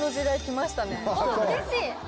うれしい！